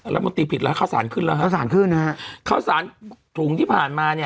รัฐมนตรีผิดแล้วข้าวสารขึ้นแล้วฮะข้าวสารขึ้นนะฮะข้าวสารถุงที่ผ่านมาเนี่ย